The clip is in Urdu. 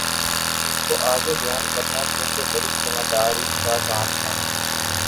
اِس کو آگے بیان کرنا چونکہ بڑی ذمہ داری کا کام تھا